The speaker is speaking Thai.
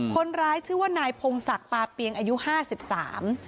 คนร้ายชื่อว่านายพงศักดิ์ปาเปียงอายุห้าสิบสาม